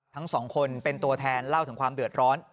ทั้งสองคนเป็นตัวแทนเล่าถึงความเดือดร้อน